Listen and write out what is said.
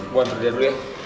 gue antar dia dulu ya